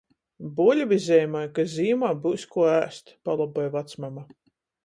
"Buļvi zeimoj, ka zīmā byus kuo ēst," paloboj vacmama.